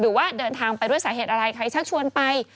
หรือว่าเดินทางไปด้วยสาเหตุอะไรใครชักชวนไป